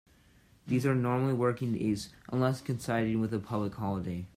These are normally working days, unless coinciding with a public holiday.